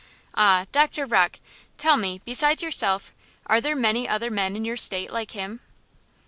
Ah! Doctor Rocke, tell me, besides yourself, are there many other men in your State like him?"